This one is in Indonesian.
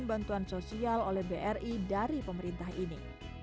ini adalah penyaluran bantuan sosial oleh bri dari pemerintah ini